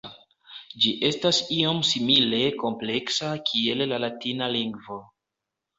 Ĝi estas iom simile kompleksa kiel la latina lingvo.